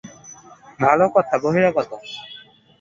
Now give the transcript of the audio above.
ভালো কথা, বহিরাগত।